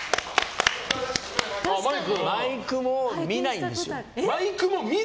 マイクも見ないんですよ。